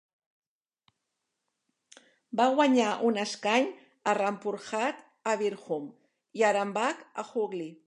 Va guanyar un escany a Rampurhat a Birbhum i Arambagh a Hooghly.